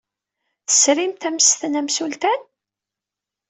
Tesrimt ammesten amsultan?